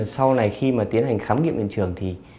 sau này khi mà tiến hành khám nghiệm hiện trường thì